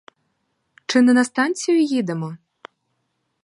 Чи не на станцію їдемо?